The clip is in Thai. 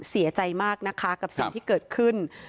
เสียใจมากนะคะกับสิ่งที่เกิดขึ้น